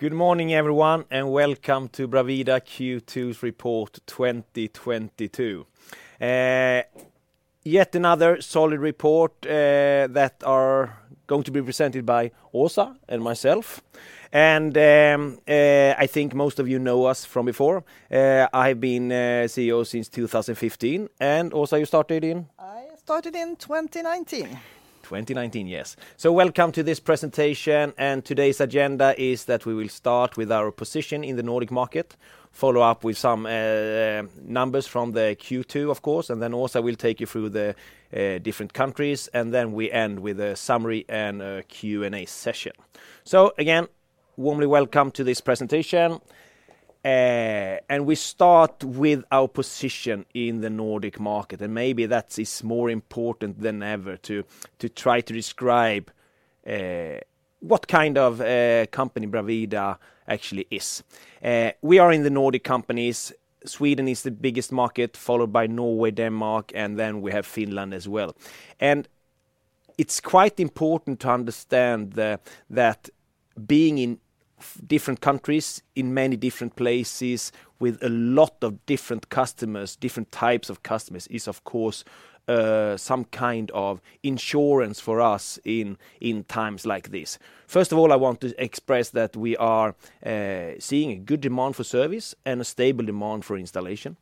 Good morning everyone, and welcome to Bravida Q2's report 2022. Yet another solid report that are going to be presented by Åsa and myself. I think most of you know us from before. I've been CEO since 2015. Åsa, you started in? I started in 2019. 2019, yes. Welcome to this presentation, and today's agenda is that we will start with our position in the Nordic market, follow up with some numbers from the Q2 of course, and then Åsa will take you through the different countries, and then we end with a summary and a Q&A session. Again, warmly welcome to this presentation. We start with our position in the Nordic market, and maybe that is more important than ever to try to describe what kind of company Bravida actually is. We are in the Nordic countries. Sweden is the biggest market, followed by Norway, Denmark, and then we have Finland as well. It's quite important to understand that being in different countries in many different places with a lot of different customers, different types of customers, is of course some kind of insurance for us in times like this. First of all, I want to express that we are seeing a good demand for service and a stable demand for installation.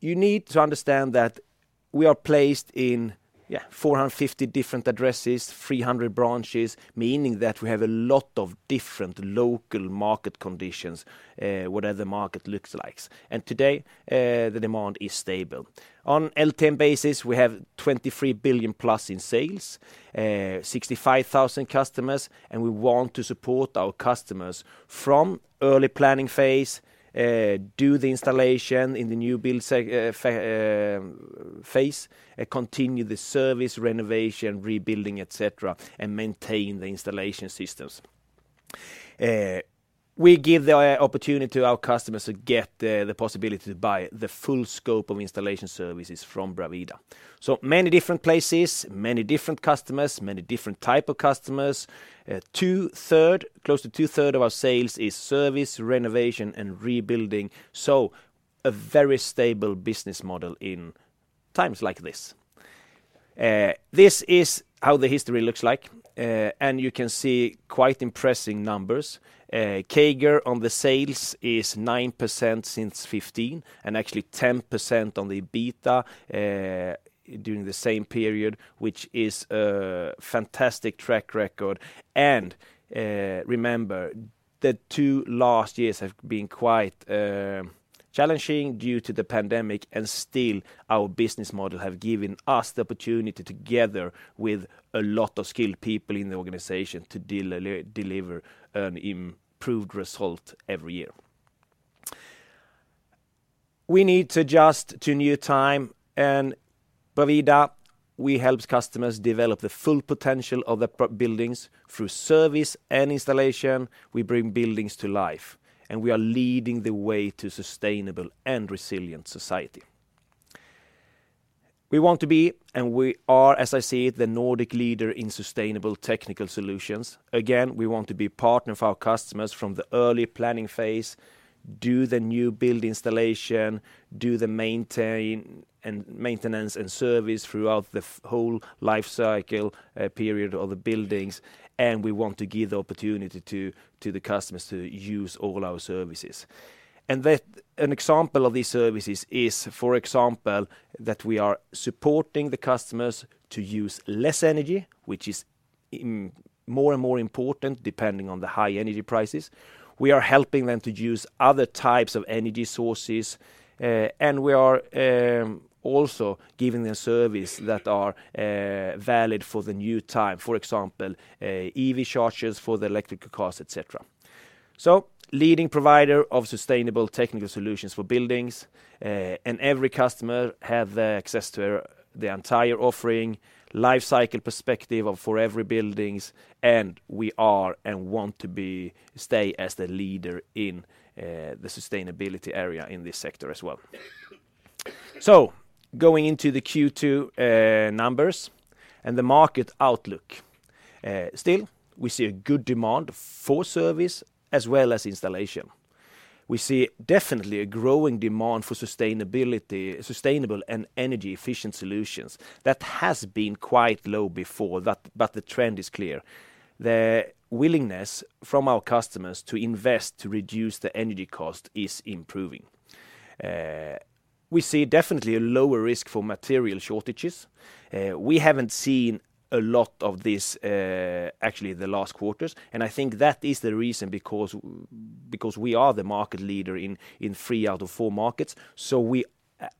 You need to understand that we are placed in 450 different addresses, 300 branches, meaning that we have a lot of different local market conditions, whatever the market looks like. Today, the demand is stable. On LTM basis, we have 23 billion+ in sales, 65,000 customers, and we want to support our customers from early planning phase, do the installation in the new build phase, continue the service renovation, rebuilding, et cetera, and maintain the installation systems. We give the opportunity to our customers to get the possibility to buy the full scope of installation services from Bravida. Many different places, many different customers, many different type of customers. Close to two-thirds of our sales is service renovation and rebuilding, so a very stable business model in times like this. This is how the history looks like, and you can see quite impressive numbers. CAGR on the sales is 9% since 2015, and actually 10% on the EBITDA during the same period, which is a fantastic track record. Remember, the two last years have been quite challenging due to the pandemic, and still our business model have given us the opportunity together with a lot of skilled people in the organization to deliver an improved result every year. We need to adjust to new time and Bravida, we helps customers develop the full potential of the buildings through service and installation. We bring buildings to life, and we are leading the way to sustainable and resilient society. We want to be, and we are, as I see it, the Nordic leader in sustainable technical solutions. Again, we want to be partner of our customers from the early planning phase, do the new build installation, do the maintenance and service throughout the whole life cycle period of the buildings, and we want to give the opportunity to the customers to use all our services. That, an example of these services is, for example, that we are supporting the customers to use less energy, which is more and more important depending on the high energy prices. We are helping them to use other types of energy sources, and we are also giving them service that are valid for the new time. For example, EV chargers for the electric cars, et cetera. Leading provider of sustainable technical solutions for buildings, and every customer have the access to the entire offering, life cycle perspective for every buildings, and we want to be and stay as the leader in the sustainability area in this sector as well. Going into the Q2 numbers and the market outlook. Still, we see a good demand for service as well as installation. We see definitely a growing demand for sustainability, sustainable and energy efficient solutions. That has been quite low before that, but the trend is clear. The willingness from our customers to invest to reduce the energy cost is improving. We see definitely a lower risk for material shortages. We haven't seen a lot of this, actually the last quarters, and I think that is the reason because we are the market leader in three out of four markets. We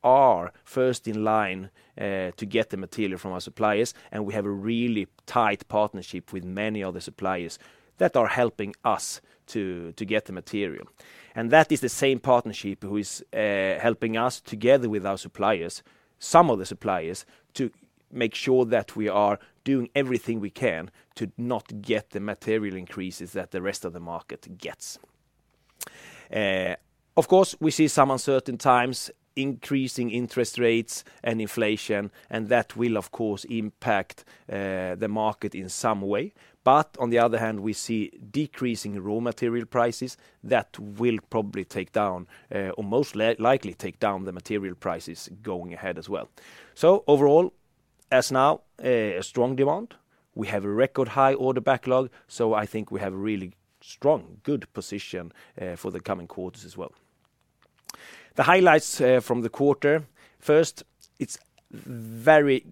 are first in line to get the material from our suppliers, and we have a really tight partnership with many of the suppliers that are helping us to get the material. That is the same partnership who is helping us together with our suppliers, some of the suppliers, to make sure that we are doing everything we can to not get the material increases that the rest of the market gets. Of course, we see some uncertain times, increasing interest rates and inflation, and that will of course impact the market in some way. On the other hand, we see decreasing raw material prices that will probably take down, or most likely take down the material prices going ahead as well. Overall, we now have a strong demand, we have a record high order backlog, so I think we have a really strong, good position for the coming quarters as well. The highlights from the quarter, first, it's very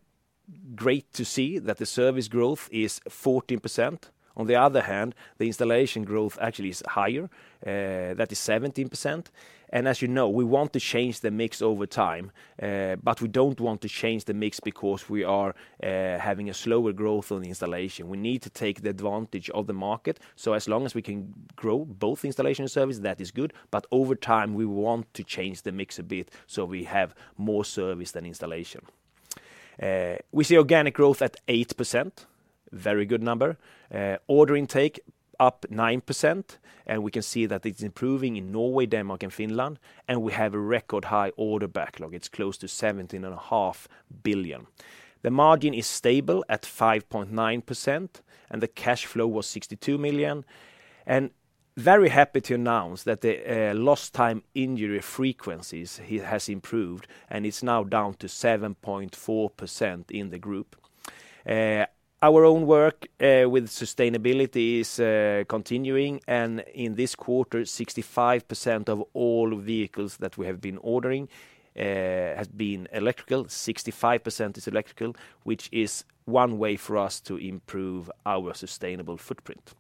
great to see that the service growth is 14%. On the other hand, the installation growth actually is higher, that is 17%. As you know, we want to change the mix over time, but we don't want to change the mix because we are having a slower growth on the installation. We need to take the advantage of the market, so as long as we can grow both installation service, that is good. Over time, we want to change the mix a bit, so we have more service than installation. We see organic growth at 8%, very good number. Order intake up 9%, and we can see that it's improving in Norway, Denmark, and Finland, and we have a record high order backlog. It's close to 17.5 billion. The margin is stable at 5.9%, and the cash flow was SEK 62 million. Very happy to announce that the lost time injury frequencies has improved, and it's now down to 7.4% in the group. Our own work with sustainability is continuing, and in this quarter, 65% of all vehicles that we have been ordering has been electrical. 65% is electrical, which is one way for us to improve our sustainable footprint.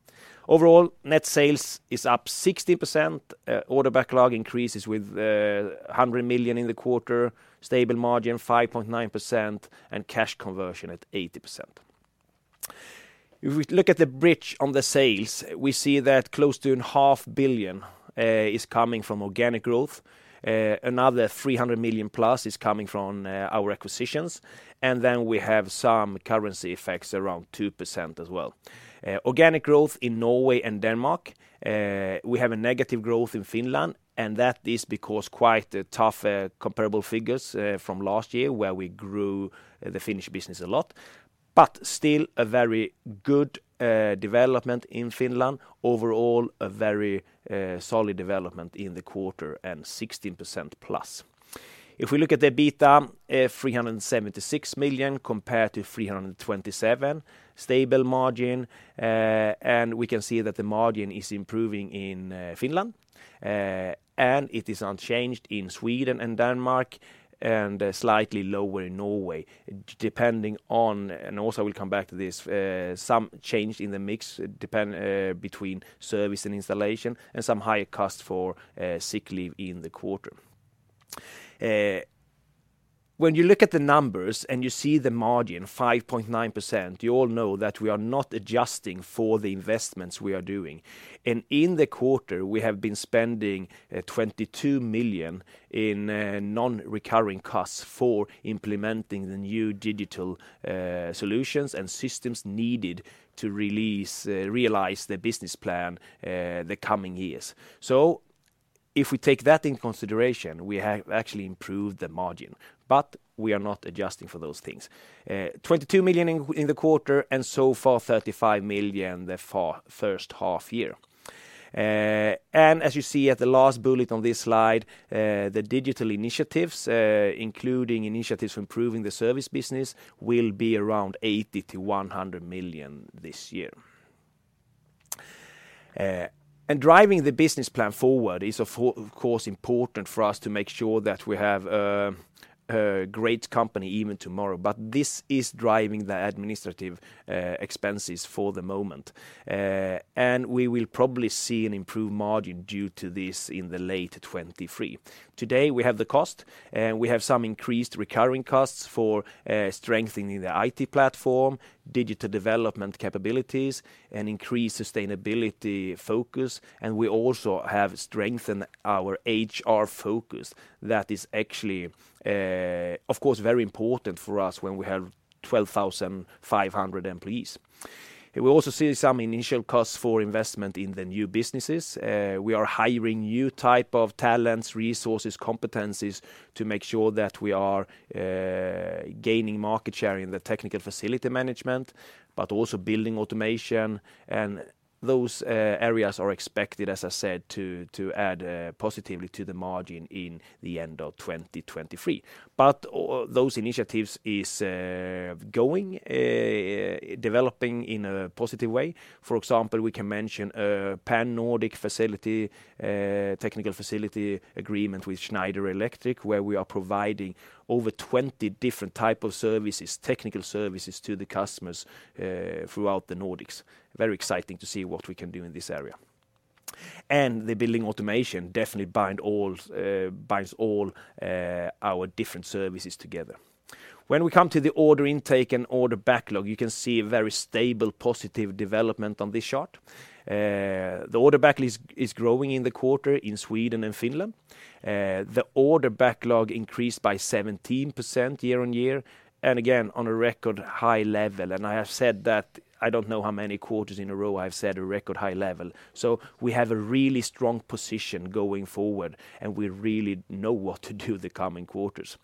Overall, net sales is up 60%, order backlog increases with 100 million in the quarter, stable margin 5.9%, and cash conversion at 80%. If we look at the bridge on the sales, we see that close to 500 million is coming from organic growth. Another 300 million+ is coming from our acquisitions, and then we have some currency effects around 2% as well. Organic growth in Norway and Denmark, we have a negative growth in Finland, and that is because quite tough comparable figures from last year where we grew the Finnish business a lot. Still a very good development in Finland. Overall, a very solid development in the quarter and 16%+. If we look at the EBITDA, 376 million compared to 327 million, stable margin, and we can see that the margin is improving in Finland, and it is unchanged in Sweden and Denmark, and slightly lower in Norway, depending on, and also we'll come back to this, some change in the mix, depending on between service and installation, and some higher costs for sick leave in the quarter. When you look at the numbers and you see the margin, 5.9%, you all know that we are not adjusting for the investments we are doing. In the quarter, we have been spending 22 million in non-recurring costs for implementing the new digital solutions and systems needed to realize the business plan the coming years. If we take that into consideration, we have actually improved the margin, but we are not adjusting for those things. 22 million in the quarter, and so far 35 million the first half year. And as you see at the last bullet on this slide, the digital initiatives, including initiatives improving the service business, will be around 80 million-100 million this year. And driving the business plan forward is of course important for us to make sure that we have a great company even tomorrow, but this is driving the administrative expenses for the moment. And we will probably see an improved margin due to this in the late 2023. Today, we have the cost, and we have some increased recurring costs for strengthening the IT platform, digital development capabilities, an increased sustainability focus, and we also have strengthened our HR focus. That is actually, of course, very important for us when we have 12,500 employees. We also see some initial costs for investment in the new businesses. We are hiring new type of talents, resources, competencies to make sure that we are gaining market share in the Technical Facility Management, but also building automation. Those areas are expected, as I said, to add positively to the margin in the end of 2023. Those initiatives is going developing in a positive way. For example, we can mention a Pan-Nordic technical facility agreement with Schneider Electric, where we are providing over 20 different type of services, technical services to the customers throughout the Nordics. Very exciting to see what we can do in this area. The building automation definitely binds all our different services together. When we come to the order intake and order backlog, you can see a very stable, positive development on this chart. The order backlog is growing in the quarter in Sweden and Finland. The order backlog increased by 17% year-on-year, and again, on a record high level. I have said that I don't know how many quarters in a row I've said a record high level. We have a really strong position going forward, and we really know what to do the coming quarters.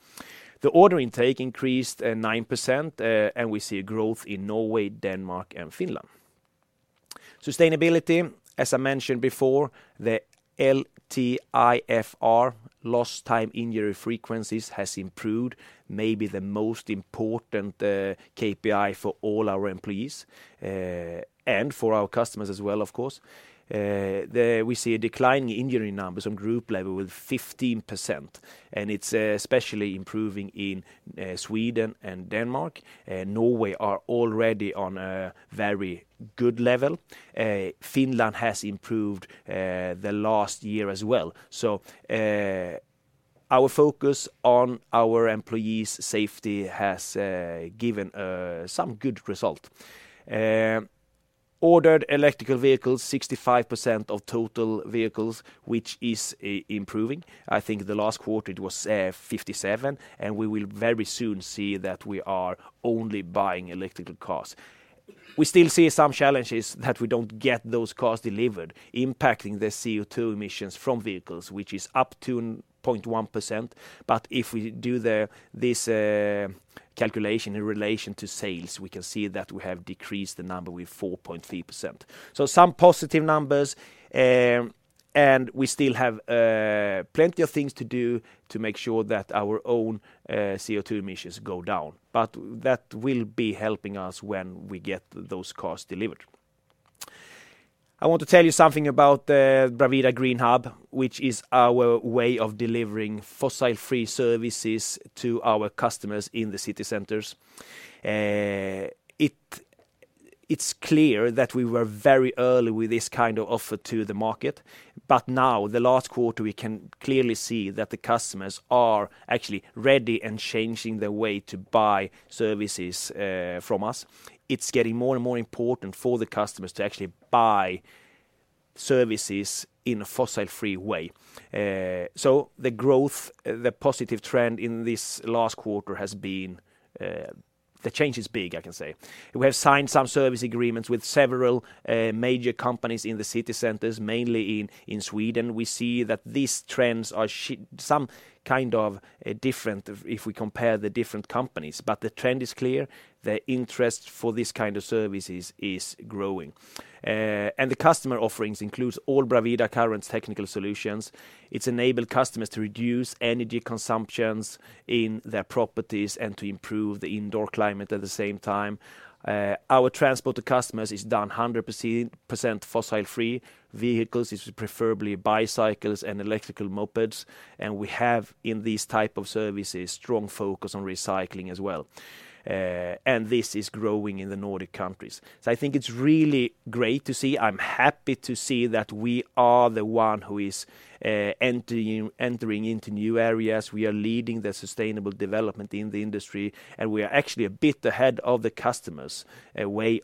The order intake increased 9%, and we see a growth in Norway, Denmark, and Finland. Sustainability, as I mentioned before, the LTIFR, Lost Time Injury Frequencies, has improved, maybe the most important KPI for all our employees and for our customers as well, of course. We see a decline in injury numbers on group level with 15%, and it's especially improving in Sweden and Denmark. Norway are already on a very good level. Finland has improved the last year as well. Our focus on our employees' safety has given some good result. Ordered electrical vehicles, 65% of total vehicles, which is improving. I think the last quarter it was 57%, and we will very soon see that we are only buying electric cars. We still see some challenges that we don't get those cars delivered, impacting the CO2 emissions from vehicles, which is up 0.1%. If we do this calculation in relation to sales, we can see that we have decreased the number with 4.3%. Some positive numbers, and we still have plenty of things to do to make sure that our own CO2 emissions go down. That will be helping us when we get those cars delivered. I want to tell you something about Bravida GreenHub, which is our way of delivering fossil-free services to our customers in the city centers. It's clear that we were very early with this kind of offer to the market. Now, the last quarter, we can clearly see that the customers are actually ready and changing their way to buy services from us. It's getting more and more important for the customers to actually buy services in a fossil-free way. The growth, the positive trend in this last quarter has been, the change is big, I can say. We have signed some service agreements with several major companies in the city centers, mainly in Sweden. We see that these trends are some kind of different if we compare the different companies, but the trend is clear: the interest for this kind of services is growing. The customer offerings includes all Bravida current technical solutions. It's enabled customers to reduce energy consumptions in their properties and to improve the indoor climate at the same time. Our transport to customers is done 100% fossil free. Vehicles is preferably bicycles and electrical mopeds. We have in these type of services, strong focus on recycling as well. This is growing in the Nordic countries. I think it's really great to see. I'm happy to see that we are the one who is entering into new areas. We are leading the sustainable development in the industry, and we are actually a bit ahead of the customers, a way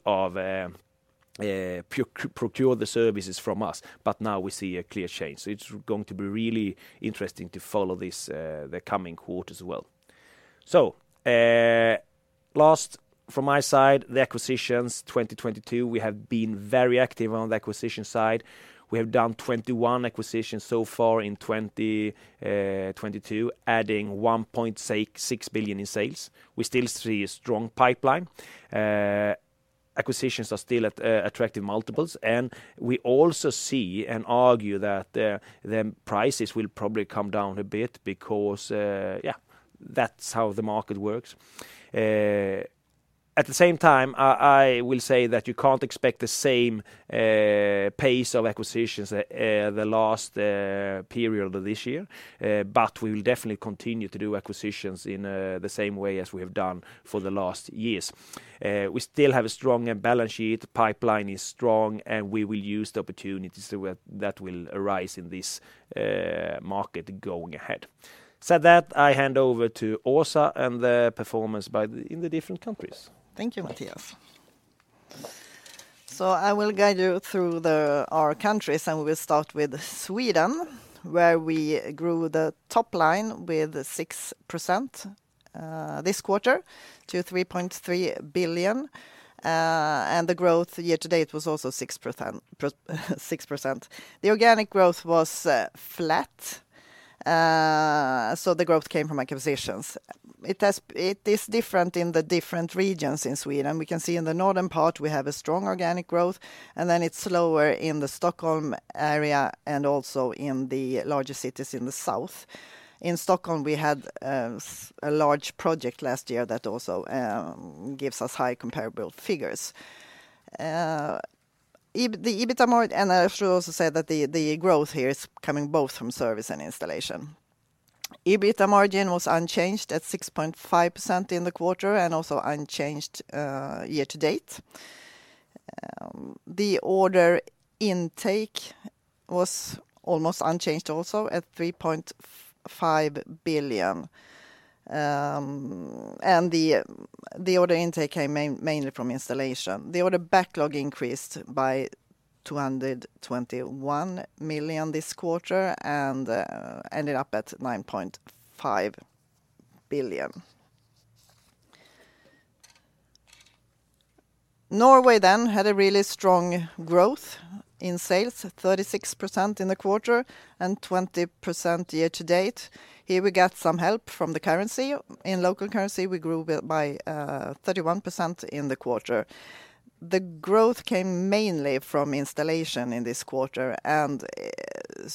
of procure the services from us. Now we see a clear change. It's going to be really interesting to follow this, the coming quarters as well. Last from my side, the acquisitions 2022, we have been very active on the acquisition side. We have done 21 acquisitions so far in 2022, adding 1.66 billion in sales. We still see a strong pipeline. Acquisitions are still at attractive multiples, and we also see and argue that their prices will probably come down a bit because that's how the market works. At the same time, I will say that you can't expect the same pace of acquisitions the last period of this year. We will definitely continue to do acquisitions in the same way as we have done for the last years. We still have a strong balance sheet, pipeline is strong, and we will use the opportunities that will arise in this market going ahead. That said, I hand over to Åsa and the performance in the different countries. Thank you, Mattias. I will guide you through our countries, and we will start with Sweden, where we grew the top line with 6% this quarter to 3.3 billion. The growth year to date was also 6%. The organic growth was flat, so the growth came from acquisitions. It is different in the different regions in Sweden. We can see in the northern part, we have a strong organic growth, and then it is slower in the Stockholm area and also in the larger cities in the south. In Stockholm, we had a large project last year that also gives us high comparable figures. The EBITDA margin and I should also say that the growth here is coming both from service and installation. EBITDA margin was unchanged at 6.5% in the quarter and also unchanged year to date. The order intake was almost unchanged also at 3.5 billion. The order intake came mainly from installation. The order backlog increased by 221 million this quarter and ended up at 9.5 billion. Norway had a really strong growth in sales, 36% in the quarter and 20% year to date. Here we got some help from the currency. In local currency, we grew by 31% in the quarter. The growth came mainly from installation in this quarter, and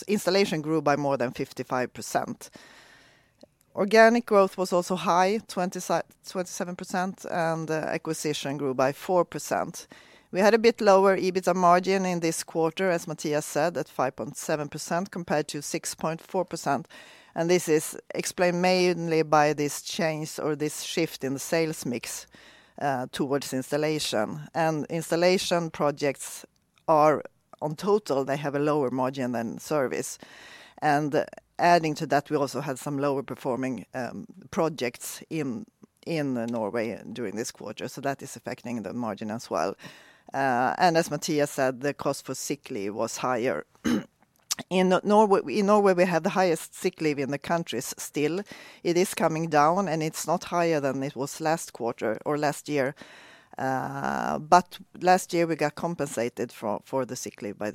installation grew by more than 55%. Organic growth was also high, 27%, and acquisition grew by 4%. We had a bit lower EBITDA margin in this quarter, as Mattias said, at 5.7% compared to 6.4%, and this is explained mainly by this change or this shift in the sales mix towards installation. Installation projects are, in total, they have a lower margin than service. Adding to that, we also had some lower performing projects in Norway during this quarter. That is affecting the margin as well. As Mattias said, the cost for sick leave was higher. In Norway, we have the highest sick leave in the countries still. It is coming down, and it's not higher than it was last quarter or last year. Last year, we got compensated for the sick leave by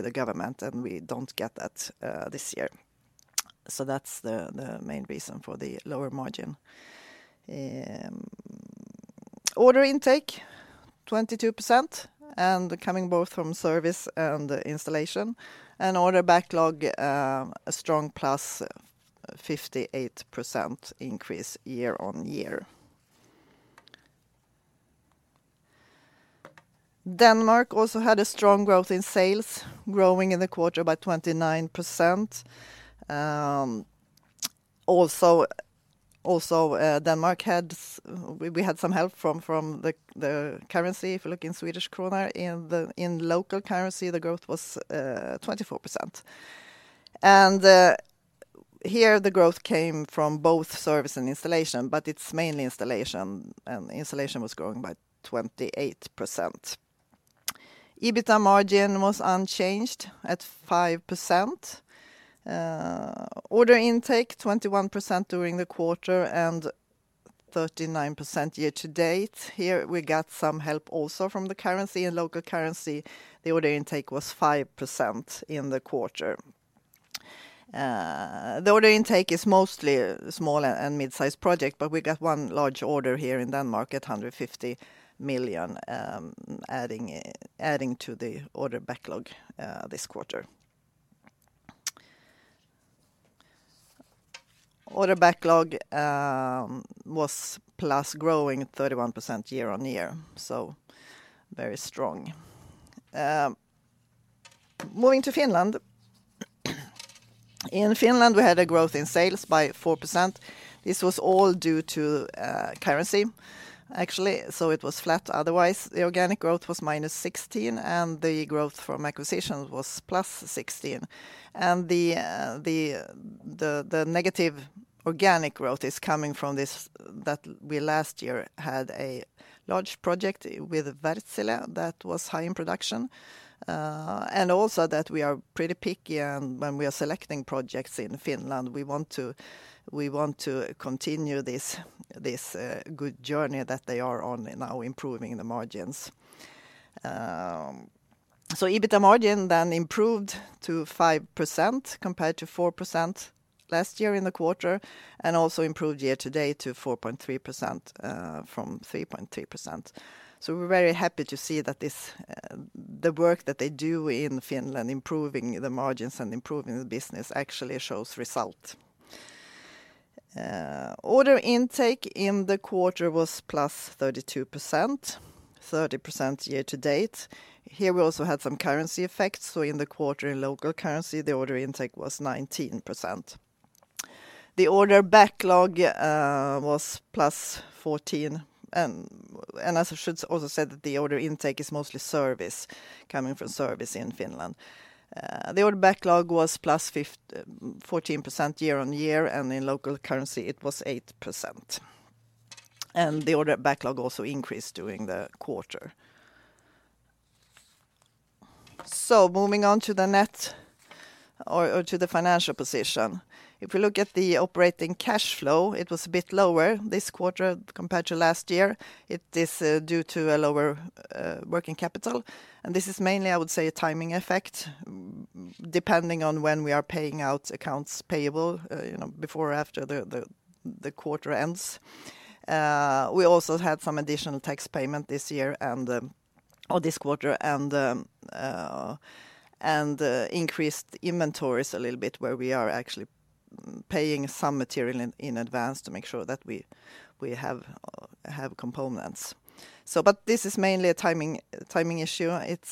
the government, and we don't get that this year. That's the main reason for the lower margin. Order intake, 22%, and coming both from service and installation. Order backlog, a strong +58% increase year-on-year. Denmark also had a strong growth in sales, growing in the quarter by 29%. Denmark had some help from the currency if you look in Swedish krona. In local currency, the growth was 24%. Here, the growth came from both service and installation, but it's mainly installation, and installation was growing by 28%. EBITDA margin was unchanged at 5%. Order intake, 21% during the quarter and 39% year to date. Here, we got some help also from the currency. In local currency, the order intake was 5% in the quarter. The order intake is mostly small and mid-sized project, but we got one large order here in Denmark at 150 million, adding to the order backlog this quarter. Order backlog was plus growing at 31% year-on-year, so very strong. Moving to Finland. In Finland, we had a growth in sales by 4%. This was all due to currency, actually, so it was flat otherwise. The organic growth was -16%, and the growth from acquisition was +16%. The negative organic growth is coming from this, that we last year had a large project with Wärtsilä that was high in production, and also that we are pretty picky when we are selecting projects in Finland. We want to continue this good journey that they are on now improving the margins. EBITDA margin then improved to 5% compared to 4% last year in the quarter, and also improved year to date to 4.3% from 3.3%. We're very happy to see that the work that they do in Finland, improving the margins and improving the business actually shows result. Order intake in the quarter was +32%, 30% year to date. Here, we also had some currency effects, so in the quarter in local currency, the order intake was 19%. The order backlog was +14% and as I should also said that the order intake is mostly service, coming from service in Finland. The order backlog was +14% year-on-year, and in local currency, it was 8%. The order backlog also increased during the quarter. Moving on to the financial position. If we look at the operating cash flow, it was a bit lower this quarter compared to last year. It is due to a lower working capital, and this is mainly, I would say, a timing effect, depending on when we are paying out accounts payable, you know, before or after the quarter ends. We also had some additional tax payment this quarter and increased inventories a little bit where we are actually paying some material in advance to make sure that we have components. This is mainly a timing issue. It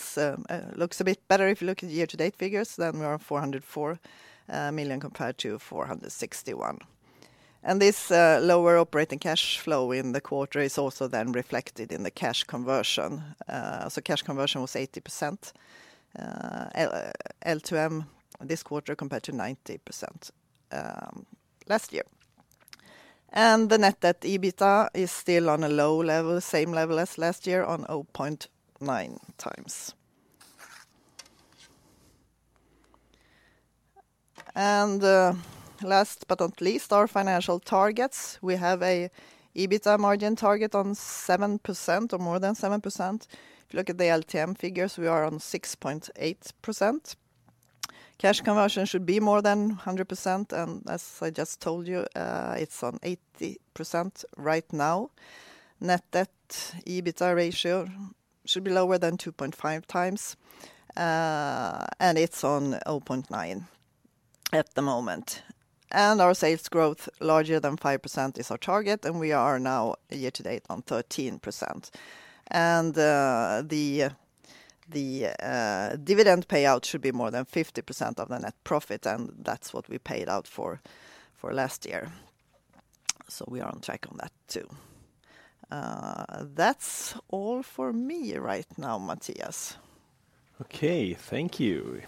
looks a bit better if you look at the year to date figures. We are 404 million compared to 461 million. This lower operating cash flow in the quarter is also reflected in the cash conversion. Cash conversion was 80% LTM this quarter compared to 90% last year. The net debt EBITDA is still on a low level, same level as last year on 0.9x. Last but not least, our financial targets. We have an EBITDA margin target on 7% or more than 7%. If you look at the LTM figures, we are on 6.8%. Cash conversion should be more than 100%, and as I just told you, it's on 80% right now. Net debt EBITDA ratio should be lower than 2.5 times, and it's on 0.9 at the moment. Our sales growth larger than 5% is our target, and we are now year to date on 13%. The dividend payout should be more than 50% of the net profit, and that's what we paid out for last year. We are on track on that too. That's all for me right now, Mattias. Okay. Thank you.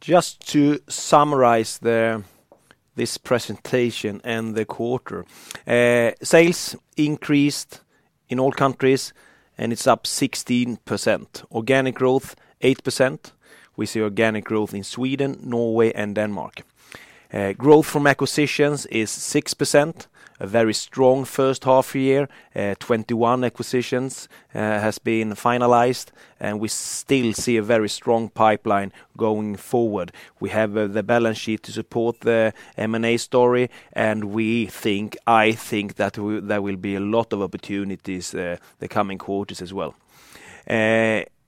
Just to summarize this presentation and the quarter. Sales increased in all countries, and it's up 16%. Organic growth, 8%. We see organic growth in Sweden, Norway, and Denmark. Growth from acquisitions is 6%, a very strong first half year. 21 acquisitions has been finalized, and we still see a very strong pipeline going forward. We have the balance sheet to support the M&A story, and we think that there will be a lot of opportunities the coming quarters as well.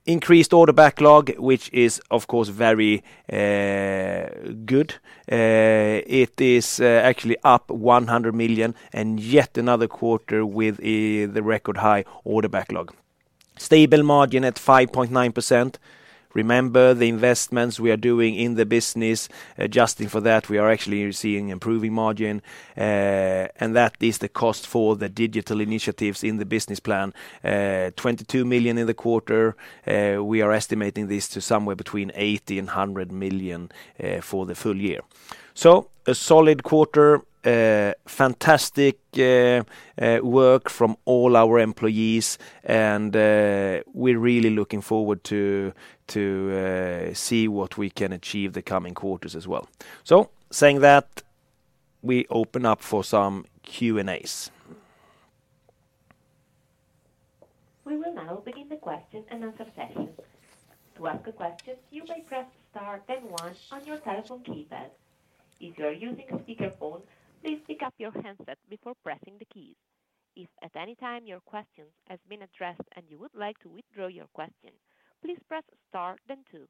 Increased order backlog, which is of course very good. It is actually up 100 million and yet another quarter with the record high order backlog. Stable margin at 5.9%. Remember the investments we are doing in the business, adjusting for that, we are actually seeing improving margin. That is the cost for the digital initiatives in the business plan. 22 million in the quarter. We are estimating this to somewhere between 80 million-100 million for the full year. A solid quarter, fantastic work from all our employees. We're really looking forward to see what we can achieve the coming quarters as well. Saying that, we open up for some Q&As. We will now begin the question and answer session. To ask a question, you may press star then one on your telephone keypad. If you are using a speaker phone, please pick up your handset before pressing the keys. If at any time your question has been addressed and you would like to withdraw your question, please press star then two.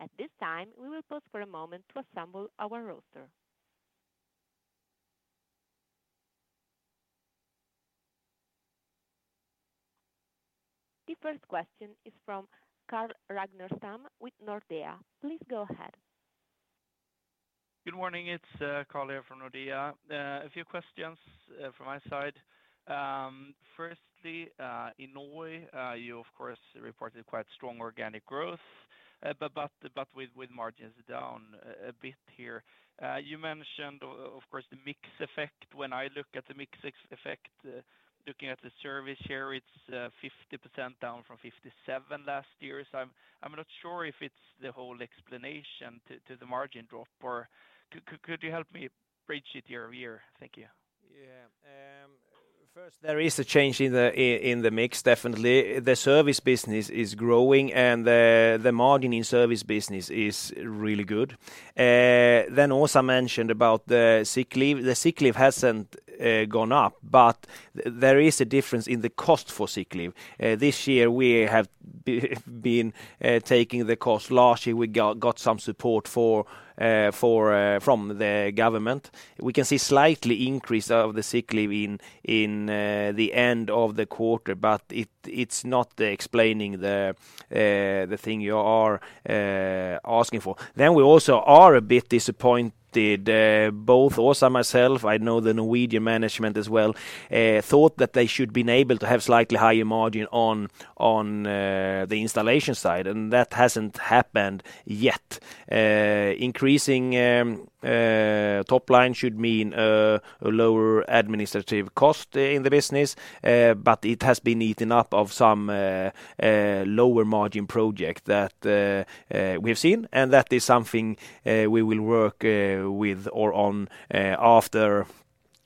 At this time, we will pause for a moment to assemble our roster. The first question is from Carl Ragnestam with Nordea. Please go ahead. Good morning. It's Carl here from Nordea. A few questions from my side. Firstly, in Norway, you of course reported quite strong organic growth, but with margins down a bit here. You mentioned of course the mix effect. When I look at the mix effect, looking at the service here, it's 50% down from 57% last year. I'm not sure if it's the whole explanation to the margin drop or could you help me bridge it year-over-year? Thank you. Yeah. First there is a change in the mix, definitely. The service business is growing and the margin in service business is really good. Åsa mentioned about the sick leave. The sick leave hasn't gone up, but there is a difference in the cost for sick leave. This year we have been taking the cost. Last year, we got some support for from the government. We can see slight increase of the sick leave in the end of the quarter, but it's not explaining the thing you are asking for. We also are a bit disappointed, both Åsa and myself. I know the Norwegian management as well thought that they should been able to have slightly higher margin on the installation side, and that hasn't happened yet. Increasing top line should mean a lower administrative cost in the business, but it has been eaten up by some lower margin project that we have seen, and that is something we will work with or on after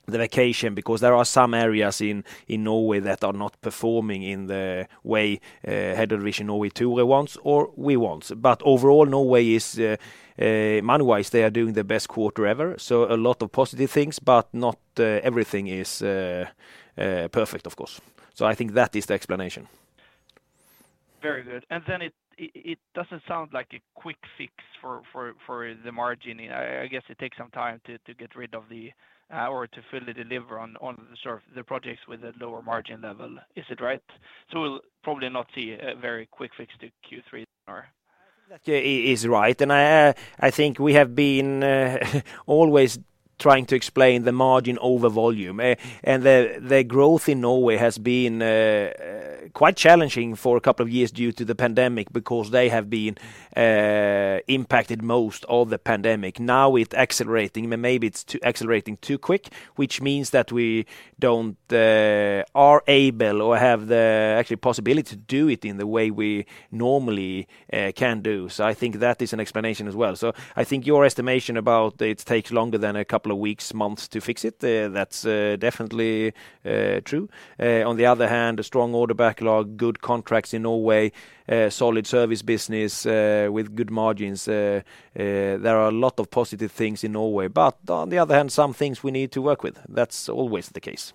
the vacation because there are some areas in Norway that are not performing in the way Bravida Norway too wants or we want. Overall, Norway is money-wise they are doing their best quarter ever. A lot of positive things, but not everything is perfect, of course. I think that is the explanation. Very good. It doesn't sound like a quick fix for the margin. I guess it takes some time to get rid of the or to fully deliver on the projects with a lower margin level. Is it right? We'll probably not see a very quick fix to Q3 or. That is right. I think we have been always trying to explain the margin over volume. The growth in Norway has been quite challenging for a couple of years due to the pandemic, because they have been impacted most by the pandemic. Now it's accelerating, but maybe it's accelerating too quick, which means that we're not able or have the actual possibility to do it in the way we normally can do. I think that is an explanation as well. I think your estimation about it takes longer than a couple of weeks, months to fix it, that's definitely true. On the other hand, a strong order backlog, good contracts in Norway, solid service business with good margins. There are a lot of positive things in Norway. On the other hand, some things we need to work with, that's always the case.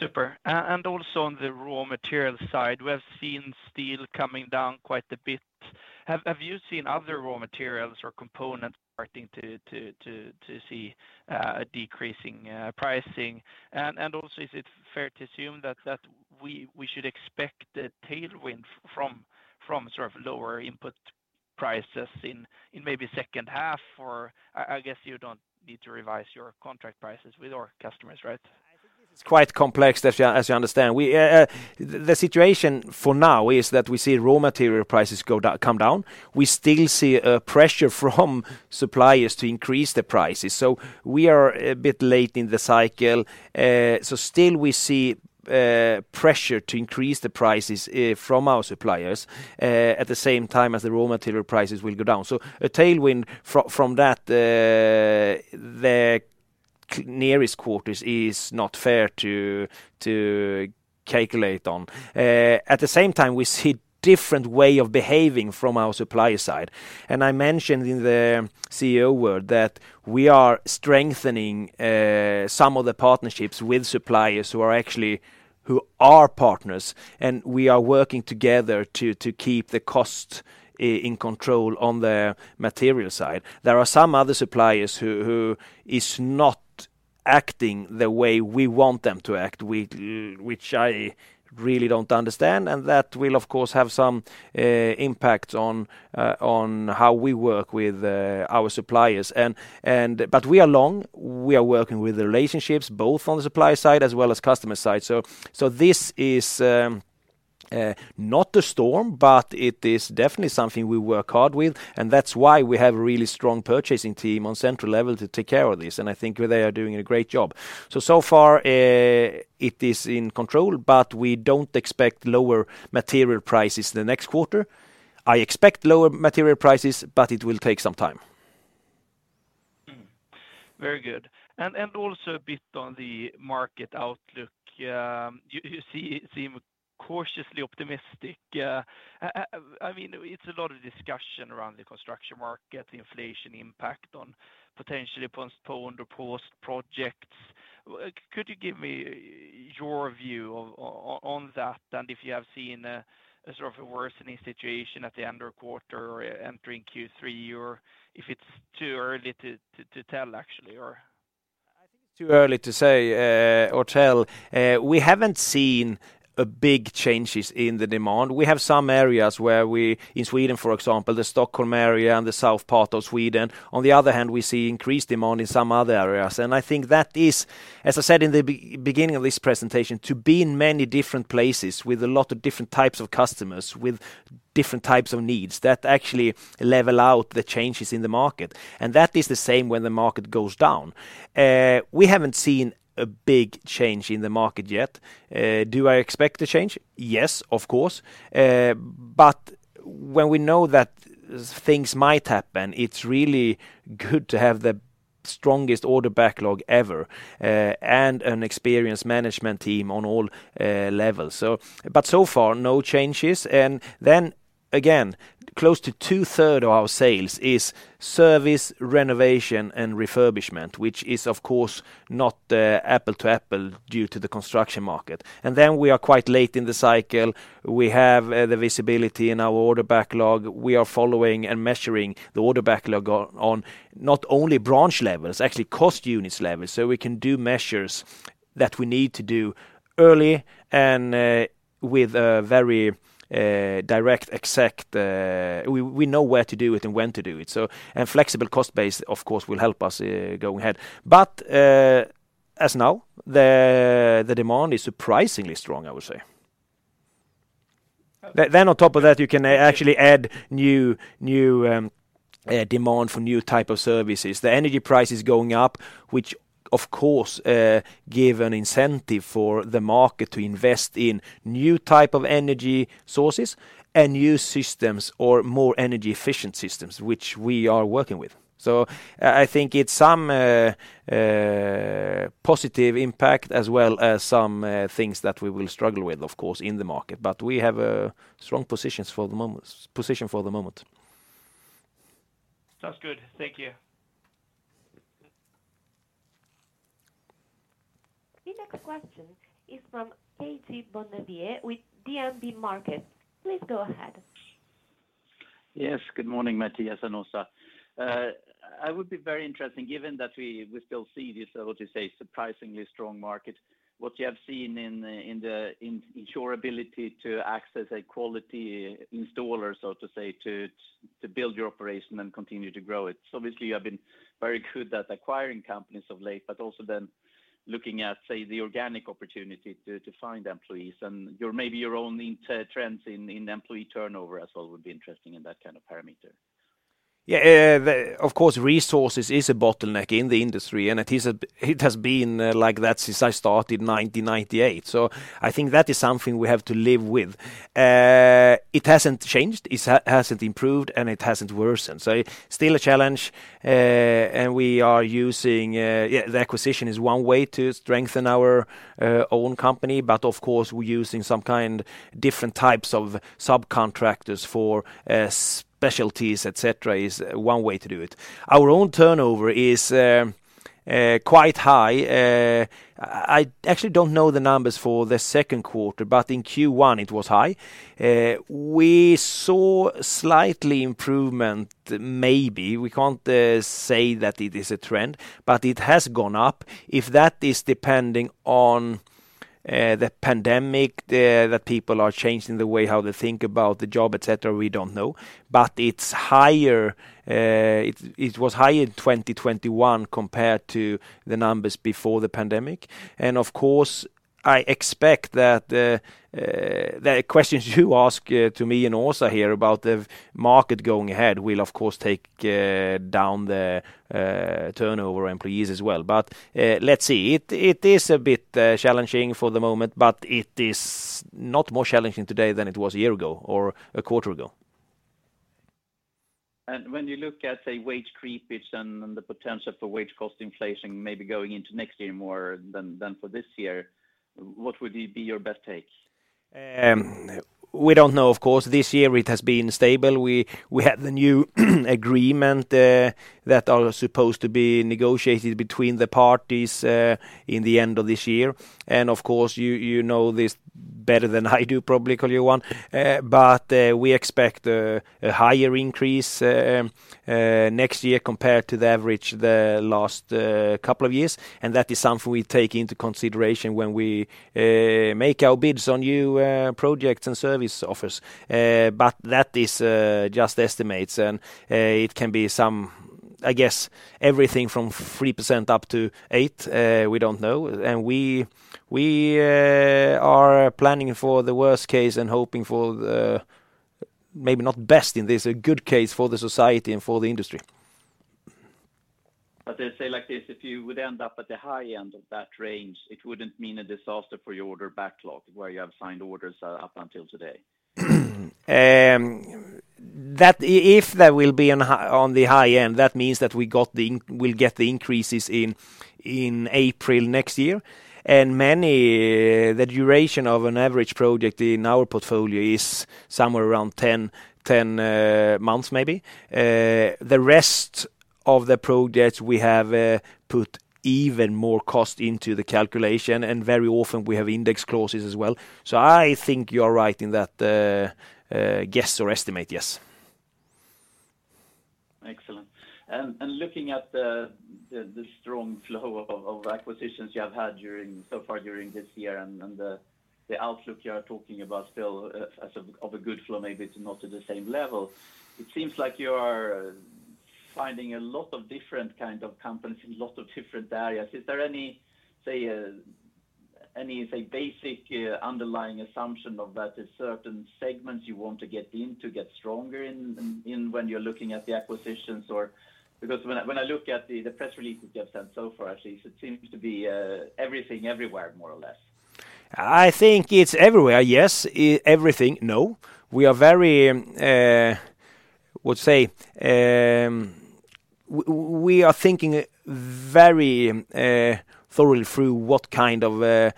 Super. Also on the raw material side, we have seen steel coming down quite a bit. Have you seen other raw materials or components starting to see a decreasing pricing? Also is it fair to assume that we should expect a tailwind from sort of lower input prices in maybe second half? I guess you don't need to revise your contract prices with your customers, right? It's quite complex as you understand. The situation for now is that we see raw material prices come down. We still see a pressure from suppliers to increase the prices. We are a bit late in the cycle. Still we see pressure to increase the prices from our suppliers at the same time as the raw material prices will go down. A tailwind from that the nearest quarters is not fair to calculate on. At the same time, we see different way of behaving from our supplier side. I mentioned in the CEO word that we are strengthening some of the partnerships with suppliers who are actually partners, and we are working together to keep the cost in control on the material side. There are some other suppliers who is not acting the way we want them to act, which I really don't understand, and that will of course have some impact on how we work with our suppliers. We are working with the relationships both on the supplier side as well as customer side. This is not the storm, but it is definitely something we work hard with, and that's why we have a really strong purchasing team on central level to take care of this, and I think they are doing a great job. So far, it is in control, but we don't expect lower material prices the next quarter. I expect lower material prices, but it will take some time. Very good. Also a bit on the market outlook. You seem cautiously optimistic. I mean, it's a lot of discussion around the construction market, the inflation impact on potentially postponed or paused projects. Could you give me your view on that? If you have seen a sort of a worsening situation at the end of quarter or entering Q3, or if it's too early to tell actually, or? I think it's too early to say or tell. We haven't seen big changes in the demand. We have some areas where we, in Sweden, for example, the Stockholm area and the south part of Sweden. On the other hand, we see increased demand in some other areas. I think that is, as I said in the beginning of this presentation, to be in many different places with a lot of different types of customers, with different types of needs, that actually level out the changes in the market. That is the same when the market goes down. We haven't seen a big change in the market yet. Do I expect a change? Yes, of course. When we know that things might happen, it's really good to have the strongest order backlog ever, and an experienced management team on all levels. So far, no changes. Then again, close to two-thirds of our sales is service, renovation, and refurbishment, which is of course not apples to apples due to the construction market. Then we are quite late in the cycle. We have the visibility in our order backlog. We are following and measuring the order backlog on not only branch levels, actually cost units levels, so we can do measures that we need to do early and with a very direct, exact. We know where to do it and when to do it. Flexible cost base of course will help us go ahead. As of now, the demand is surprisingly strong, I would say. Okay. On top of that, you can actually add new demand for new type of services. The energy price is going up, which of course give an incentive for the market to invest in new type of energy sources and new systems or more energy efficient systems, which we are working with. I think it's some positive impact as well as some things that we will struggle with, of course, in the market. We have a strong position for the moment. Sounds good. Thank you. The next question is from Karl-Johan Bonnevier with DNB Markets. Please go ahead. Yes. Good morning, Mattias and Åsa. I would be very interesting given that we still see this, how to say, surprisingly strong market, what you have seen in your ability to access a quality installer, so to say, to build your operation and continue to grow it. Obviously you have been very good at acquiring companies of late, but also then looking at, say, the organic opportunity to find employees and your own internal trends in employee turnover as well would be interesting in that kind of parameter. Of course, resources is a bottleneck in the industry, and it has been like that since I started in 1998. I think that is something we have to live with. It hasn't changed, it hasn't improved, and it hasn't worsened. Still a challenge. We are using the acquisition as one way to strengthen our own company, but of course, we're using some kind of different types of subcontractors for specialties, et cetera, as one way to do it. Our own turnover is quite high. I actually don't know the numbers for the second quarter, but in Q1 it was high. We saw slight improvement, maybe. We can't say that it is a trend, but it has gone up. If that is depending on the pandemic, the people are changing the way how they think about the job, et cetera, we don't know. It's higher. It was higher in 2021 compared to the numbers before the pandemic. Of course, I expect that the questions you ask to me and Åsa here about the market going ahead will of course take down the turnover employees as well. Let's see. It is a bit challenging for the moment, but it is not more challenging today than it was a year ago or a quarter ago. When you look at, say, wage creepage and the potential for wage cost inflation maybe going into next year more than for this year, what would it be your best take? We don't know, of course. This year it has been stable. We had the new agreement that are supposed to be negotiated between the parties in the end of this year. Of course, you know this better than I do probably, Karl-Johan. But we expect a higher increase next year compared to the average the last couple of years. That is something we take into consideration when we make our bids on new projects and service offers. But that is just estimates, and it can be some, I guess, everything from 3% up to eight. We don't know. We are planning for the worst case and hoping for the maybe not best in this, a good case for the society and for the industry. Let's say like this, if you would end up at the high end of that range, it wouldn't mean a disaster for your order backlog where you have signed orders up until today. If that will be on the high end, that means that we'll get the increases in April next year. The duration of an average project in our portfolio is somewhere around 10 months maybe. The rest of the projects we have put even more cost into the calculation, and very often we have index clauses as well. I think you are right in that guess or estimate, yes. Excellent. Looking at the strong flow of acquisitions you have had so far during this year and the outlook you are talking about still as a good flow, maybe it's not at the same level. It seems like you are finding a lot of different kind of companies in lots of different areas. Is there any basic underlying assumption of that certain segments you want to get into to get stronger in when you're looking at the acquisitions? Because when I look at the press releases you have sent so far, actually, it seems to be everything everywhere more or less. I think it's everywhere, yes. Everything, no. We are very, what say, we are thinking very thoroughly through what kind of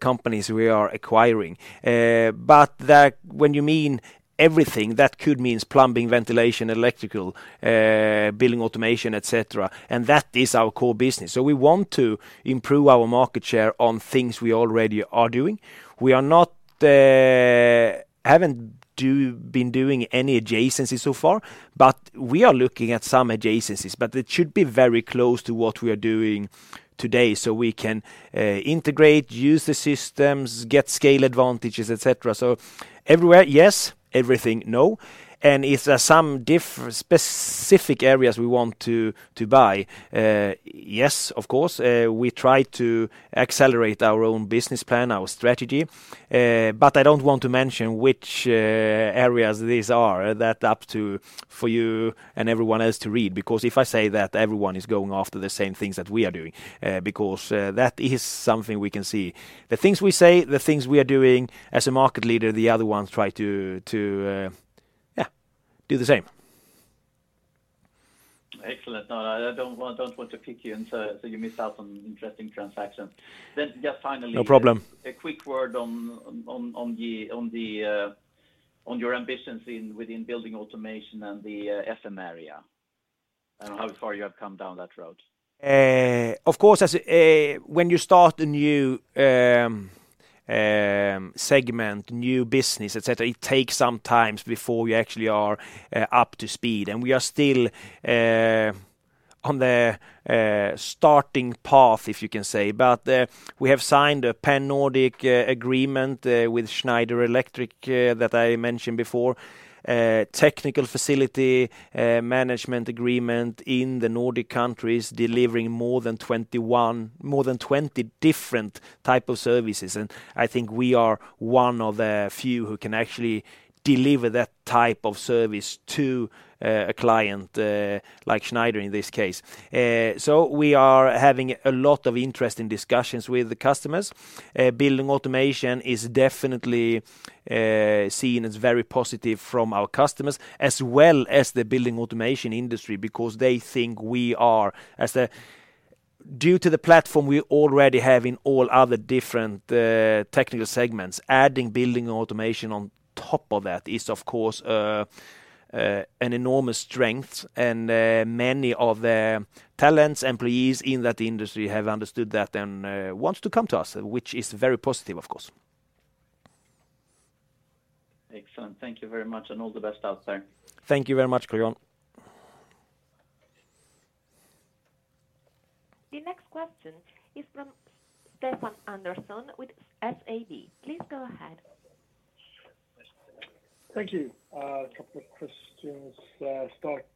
companies we are acquiring. That's when you mean everything, that could mean plumbing, ventilation, electrical, building automation, et cetera, and that is our core business. We want to improve our market share on things we already are doing. We are not, haven't been doing any adjacencies so far, but we are looking at some adjacencies. It should be very close to what we are doing today, so we can integrate, use the systems, get scale advantages, et cetera. Everywhere, yes. Everything, no. Is there some specific areas we want to buy? Yes, of course. We try to accelerate our own business plan, our strategy, but I don't want to mention which areas these are. That's up to you and everyone else to read. Because if I say that, everyone is going after the same things that we are doing, because that is something we can see. The things we say, the things we are doing as a market leader, the other ones try to do the same. Excellent. No, I don't want to pick you until, so you miss out on interesting transactions. Just finally- No problem. A quick word on your ambitions within building automation and the FM area. How far you have come down that road? Of course, when you start a new segment, new business, et cetera, it takes some time before you actually are up to speed. We are still on the starting path, if you can say. We have signed a Pan-Nordic agreement with Schneider Electric that I mentioned before. Technical Facility Management agreement in the Nordic countries, delivering more than 20 different type of services. I think we are one of the few who can actually deliver that type of service to a client like Schneider in this case. We are having a lot of interesting discussions with the customers. Building automation is definitely seen as very positive from our customers as well as the building automation industry because they think we are as a... Due to the platform we already have in all other different technical segments, adding building automation on top of that is of course an enormous strength. Many of the talented employees in that industry have understood that and wants to come to us, which is very positive, of course. Excellent. Thank you very much and all the best out there. Thank you very much, Karl-Johan. The next question is from Stefan Andersson with SBAB. Please go ahead. Thank you. A couple of questions. Start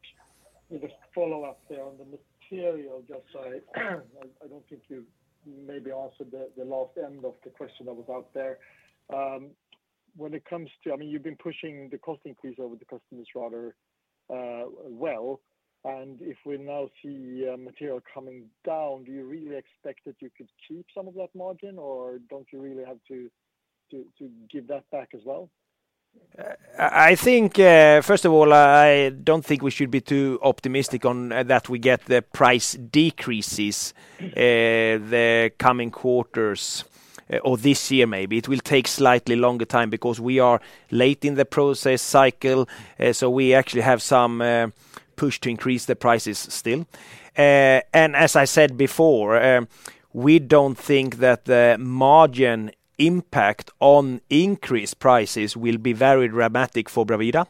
with a follow-up there on the material. Just so I don't think you maybe answered the last end of the question that was out there. When it comes to, I mean, you've been pushing the cost increase over the customers rather, well, and if we now see material coming down, do you really expect that you could keep some of that margin, or don't you really have to give that back as well? I think, first of all, I don't think we should be too optimistic on that we get the price decreases, the coming quarters or this year, maybe. It will take slightly longer time because we are late in the process cycle, so we actually have some push to increase the prices still. As I said before, we don't think that the margin impact on increased prices will be very dramatic for Bravida.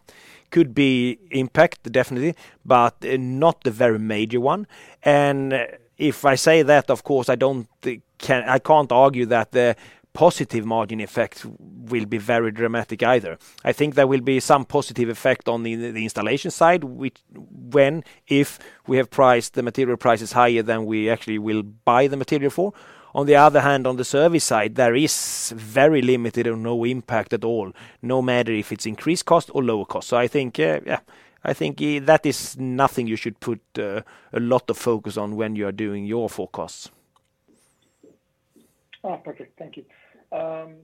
Could be impact, definitely, but not a very major one. If I say that, of course, I can't argue that the positive margin effect will be very dramatic either. I think there will be some positive effect on the installation side, which if we have priced the material prices higher than we actually will buy the material for. On the other hand, on the service side, there is very limited or no impact at all, no matter if it's increased cost or lower cost. I think that is nothing you should put a lot of focus on when you are doing your forecasts. Oh, okay, thank you. On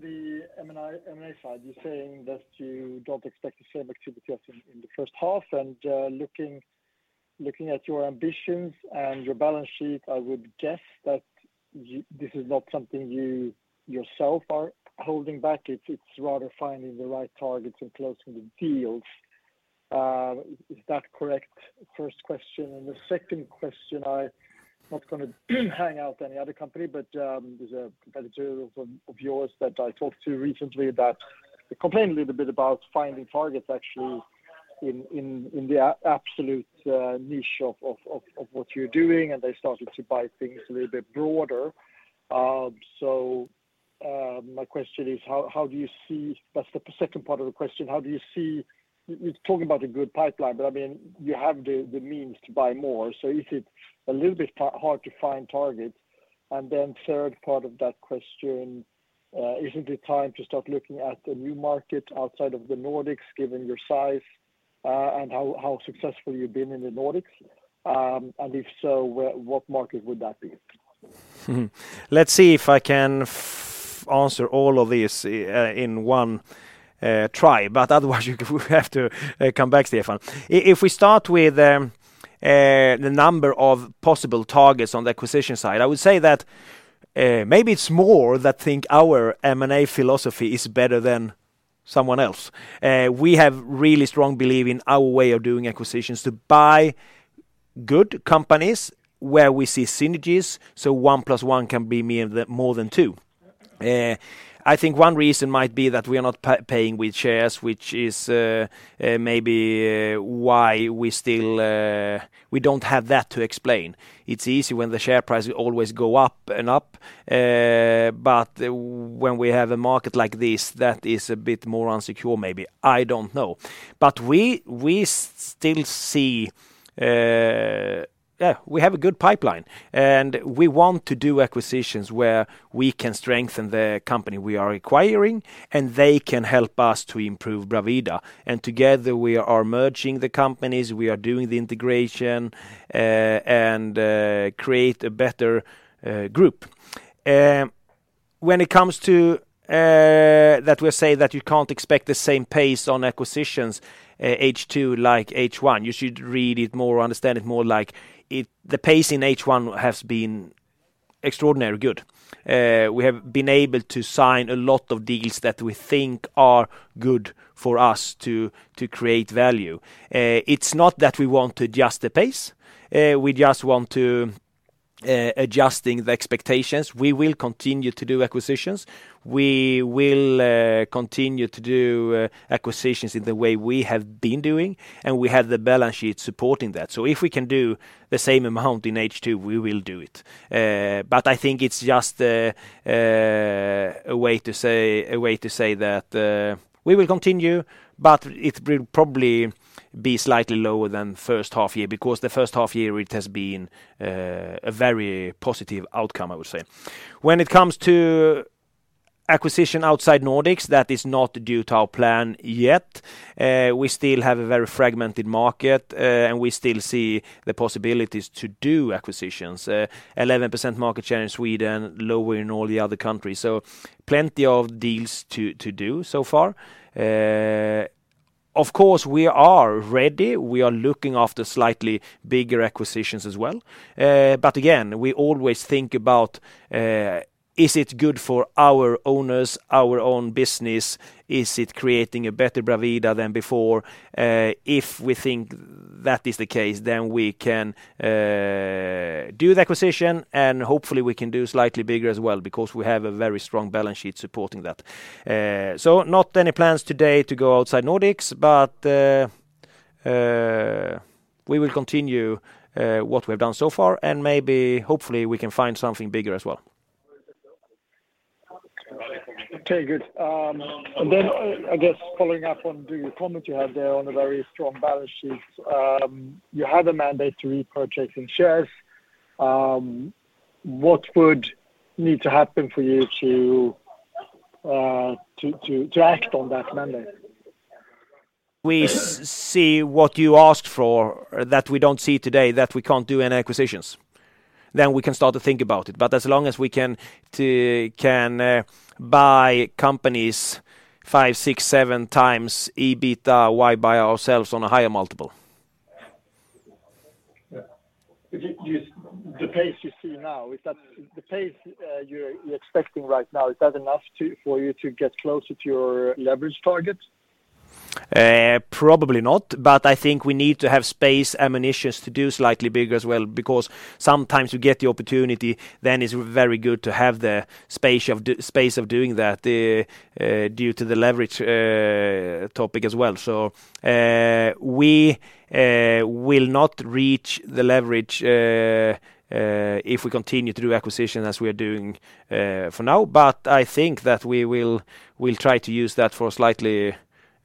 the M&A side, you're saying that you don't expect the same activity as in the first half. Looking at your ambitions and your balance sheet, I would guess that this is not something you yourself are holding back. It's rather finding the right targets and closing the deals. Is that correct? First question, and the second question, I'm not gonna name any other company, but there's a competitor of yours that I talked to recently that complained a little bit about finding targets actually in the absolute niche of what you're doing, and they started to buy things a little bit broader. My question is how do you see. That's the second part of the question. How do you see. You're talking about a good pipeline, but I mean you have the means to buy more. Is it a little bit hard to find targets? Third part of that question, isn't it time to start looking at a new market outside of the Nordics, given your size, and how successful you've been in the Nordics? If so, where, what market would that be? Let's see if I can answer all of these in one try. Otherwise we'll have to come back, Stefan. If we start with the number of possible targets on the acquisition side, I would say that maybe it's more, that we think our M&A philosophy is better than someone else. We have really strong belief in our way of doing acquisitions to buy good companies where we see synergies. 1 + 1 can be more than 2. I think one reason might be that we are not paying with shares, which is maybe why we still don't have that to explain. It's easy when the share price always go up and up, but when we have a market like this that is a bit more uncertain, maybe, I don't know. We have a good pipeline, and we want to do acquisitions where we can strengthen the company we are acquiring, and they can help us to improve Bravida. Together, we are merging the companies, we are doing the integration, and create a better group. When it comes to that we say that you can't expect the same pace on acquisitions, H2 like H1, you should read it more, understand it more like the pace in H1 has been extraordinarily good. We have been able to sign a lot of deals that we think are good for us to create value. It's not that we want to adjust the pace, we just want to adjusting the expectations. We will continue to do acquisitions. We will continue to do acquisitions in the way we have been doing, and we have the balance sheet supporting that. If we can do the same amount in H2, we will do it. I think it's just a way to say that we will continue, but it will probably be slightly lower than first half year because the first half year it has been a very positive outcome, I would say. When it comes to acquisition outside Nordics, that is not due to our plan yet. We still have a very fragmented market, and we still see the possibilities to do acquisitions. 11% market share in Sweden, lower in all the other countries, so plenty of deals to do so far. Of course, we are ready. We are looking at slightly bigger acquisitions as well. Again, we always think about, is it good for our owners, our own business? Is it creating a better Bravida than before? If we think that is the case, then we can do the acquisition, and hopefully we can do slightly bigger as well because we have a very strong balance sheet supporting that. No plans today to go outside Nordics, but we will continue what we've done so far, and maybe, hopefully we can find something bigger as well. Okay, good. I guess following up on the comment you had there on the very strong balance sheet. You have a mandate to repurchasing shares. What would need to happen for you to act on that mandate? We see what you asked for that we don't see today that we can't do any acquisitions, then we can start to think about it. As long as we can buy companies five, six, seven times EBITDA, why buy ourselves on a higher multiple? Yeah. If the pace you see now is the pace you're expecting right now, is that enough for you to get closer to your leverage target? Probably not, but I think we need to have space ammunitions to do slightly bigger as well, because sometimes you get the opportunity, then it's very good to have the space of doing that, due to the leverage topic as well. We will not reach the leverage if we continue to do acquisition as we are doing for now. I think that we will try to use that for slightly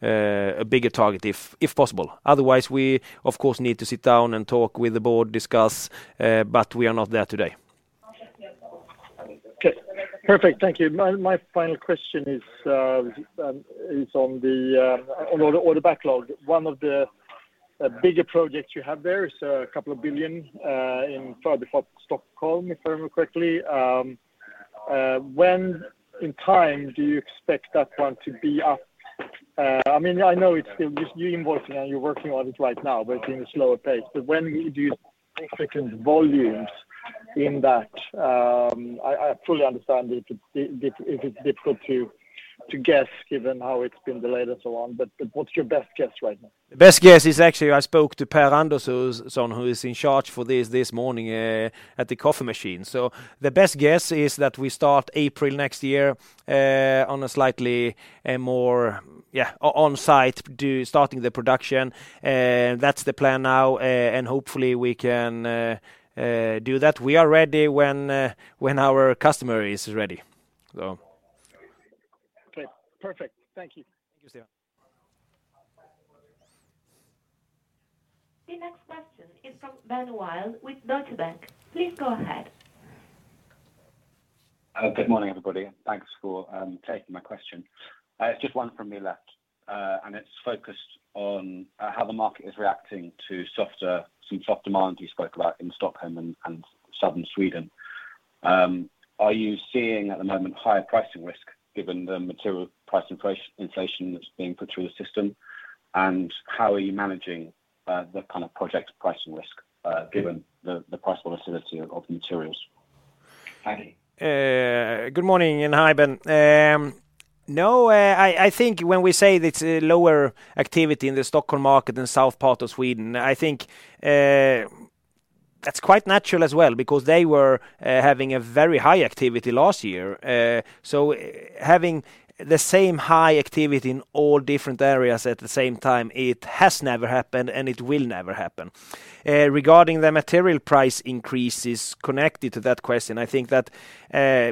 a bigger target if possible. Otherwise, we of course need to sit down and talk with the board, discuss, but we are not there today. Okay. Perfect. Thank you. My final question is on the order backlog. One of the bigger projects you have there is 2 billion in Stockholm, if I remember correctly. When in time do you expect that one to be up? I mean, I know it's still you're involved and you're working on it right now, but it's been a slower pace. When do you expect in volumes in that? I fully understand it's difficult to guess given how it's been delayed and so on, but what's your best guess right now? Best guess is actually I spoke to Per Andersson, who's in charge for this morning, at the coffee machine. Best guess is that we start April next year, on a slightly more, yeah, on site starting the production. That's the plan now, and hopefully we can do that. We are ready when our customer is ready. Okay. Perfect. Thank you. Thank you, Stefan. The next question is from Ben Wild with Deutsche Bank. Please go ahead. Good morning, everybody. Thanks for taking my question. It's just one from me left, and it's focused on how the market is reacting to some soft demand you spoke about in Stockholm and southern Sweden. Are you seeing at the moment higher pricing risk given the material price inflation that's being put through the system? And how are you managing the kind of project pricing risk given the price volatility of materials? Thank you. Good morning, and hi, Ben. No, I think when we say it's a lower activity in the Stockholm market in south part of Sweden, I think that's quite natural as well because they were having a very high activity last year. Having the same high activity in all different areas at the same time, it has never happened, and it will never happen. Regarding the material price increases connected to that question, I think that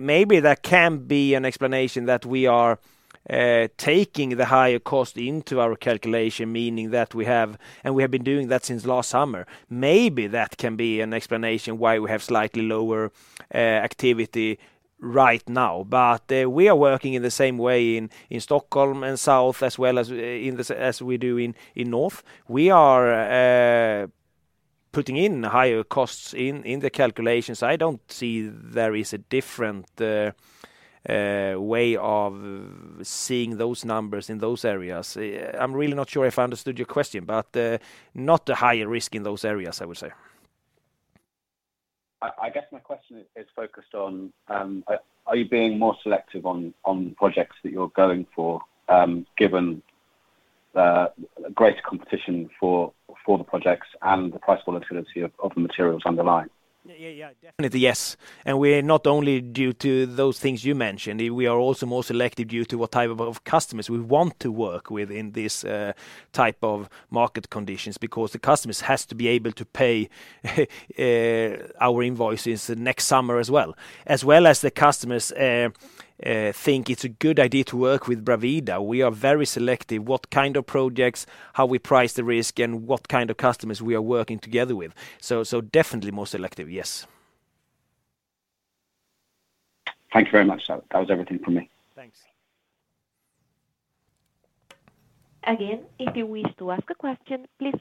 maybe there can be an explanation that we are taking the higher cost into our calculation, meaning that we have been doing that since last summer. Maybe that can be an explanation why we have slightly lower activity right now. We are working in the same way in Stockholm and south as well as we do in north. We are putting in higher costs in the calculations. I don't see there is a different way of seeing those numbers in those areas. I'm really not sure if I understood your question, but not a higher risk in those areas, I would say. I guess my question is focused on, are you being more selective on projects that you're going for, given the greater competition for the projects and the price volatility of the materials underlying? Yeah. Definitely, yes. We're not only due to those things you mentioned, we are also more selective due to what type of customers we want to work with in this type of market conditions because the customers has to be able to pay our invoices next summer as well. As well as the customers think it's a good idea to work with Bravida. We are very selective what kind of projects, how we price the risk, and what kind of customers we are working together with. Definitely more selective, yes. Thank you very much. That was everything from me. Thanks. Again, if you wish to ask a question, please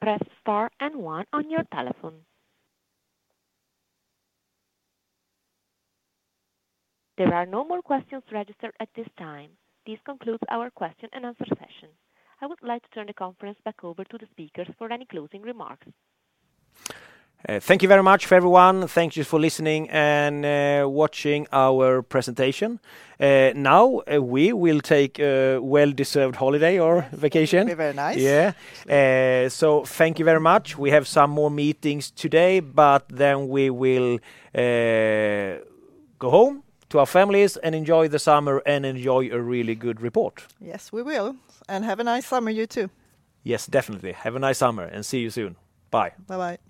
press star and one on your telephone. There are no more questions registered at this time. This concludes our question and answer session. I would like to turn the conference back over to the speakers for any closing remarks. Thank you very much for everyone. Thank you for listening and watching our presentation. Now, we will take a well-deserved holiday or vacation. It'll be very nice. Yeah. Thank you very much. We have some more meetings today, but then we will go home to our families and enjoy the summer and enjoy a really good report. Yes, we will. Have a nice summer, you too. Yes, definitely. Have a nice summer, and see you soon. Bye. Bye-bye.